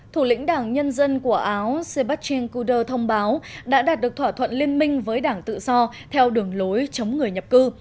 thủ lĩnh đảng nhân dân của áo sebasting kuder thông báo đã đạt được thỏa thuận liên minh với đảng tự do theo đường lối chống người nhập cư